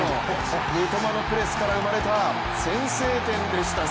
三笘のプレスから生まれた先制点でした。